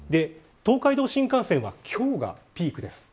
東海道新幹線は今日がピークです。